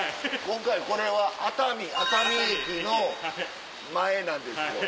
今回これは熱海熱海駅の前なんですよ。